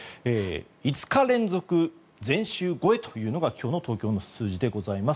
５日連続前週超えというのが今日の東京の数字でございます。